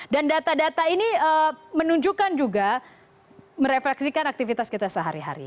dan data data ini menunjukkan juga merefleksikan aktivitas kita sehari hari